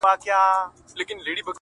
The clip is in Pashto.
هر انسان د بریا حق لري.